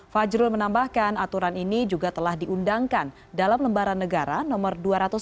fajrul menambahkan aturan ini juga telah diundangkan dalam lembaran negara nomor dua ratus enam puluh